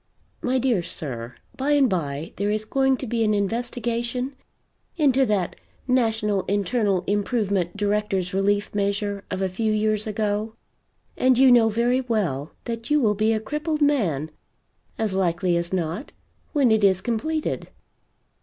My dear sir, by and by there is going to be an investigation into that National Internal Improvement Directors' Relief Measure of a few years ago, and you know very well that you will be a crippled man, as likely as not, when it is completed."